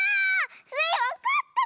スイわかったかも！